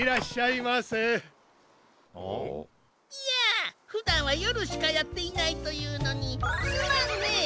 いやふだんはよるしかやっていないというのにすまんね。